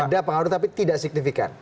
ada pengaruh tapi tidak signifikan